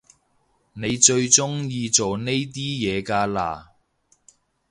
你最中意做呢啲嘢㗎啦？